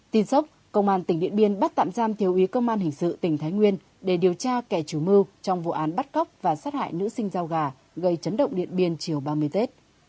tin sốc công an tỉnh điện biên bắt tạm giam thiếu ý công an hình sự tỉnh thái nguyên để điều tra kẻ chủ mưu trong vụ án bắt cóc và sát hại nữ sinh giao gà gây chấn động điện biên chiều ba mươi tết